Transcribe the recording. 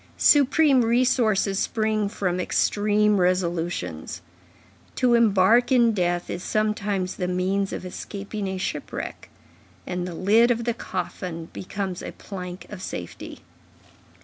Supreme resources spring from extreme resolutions. To embark in death is sometimes the means of escaping a shipwreck; and the lid of the coffin becomes a plank of safety.